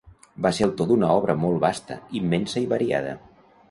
Va ser autor d'una obra molt vasta, immensa i variada.